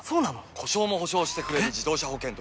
故障も補償してくれる自動車保険といえば？